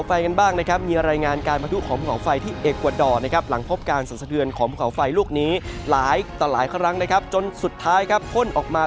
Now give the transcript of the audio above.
ฝาไม่ลวกนี้หลายตะหลายครั้งรั้งนะครับจนสุดท้ายครับพ่นออกมา